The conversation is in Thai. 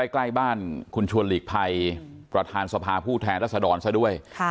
ใกล้บ้านคุณชวนหลีกภัยประธานสภาผู้แทนรัศดรซะด้วย